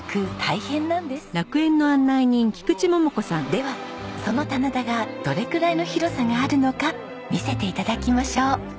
ではその棚田がどれくらいの広さがあるのか見せて頂きましょう。